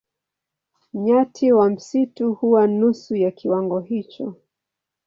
Nyati wa msitu huwa nusu ya kiwango hicho.